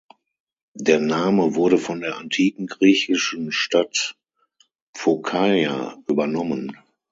Der Name wurde von der antiken griechischen Stadt Phokaia übernommen.